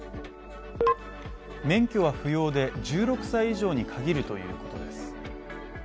免許は不要で、１６歳以上に限るということです。